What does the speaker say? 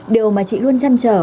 điều mà chị luôn chăn trở